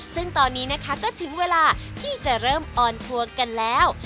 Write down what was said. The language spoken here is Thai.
ซึ่งตอนนี้นะคะก็ถึงเวลาที่จะเริ่มออนทัวร์กันแล้ว